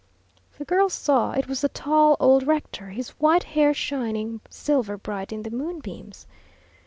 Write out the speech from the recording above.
The girls saw it was the tall old rector, his white hair shining silver bright in the moonbeams.